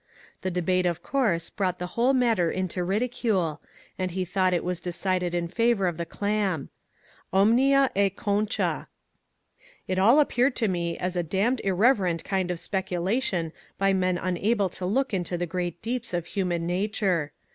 The debate of course brought the whole matter into ridicule, and he thought it was decided in favour of the clam. Omnia e concha. ^^ It all appeared to me a damned irreverent kind of speculation by men unable to look into the great deeps of human nature.